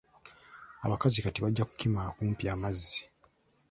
Abakazi kati bajja kukima kumpi amazzi.